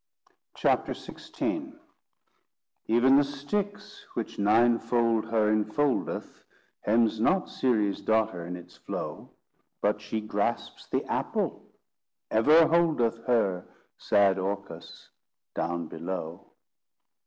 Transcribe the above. CHAPTER XVI "Ev'n the Styx, which ninefold her infoldeth Hems not Ceres' daughter in its flow; But she grasps the apple—ever holdeth Her, sad Orcus, down below."